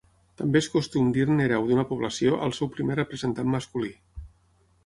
També és costum dir-ne hereu d'una població al seu primer representant masculí.